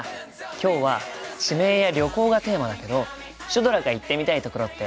今日は地名や旅行がテーマだけどシュドラが行ってみたい所ってある？